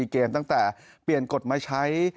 เกมตั้งแต่เปลี่ยนกฎมาใช้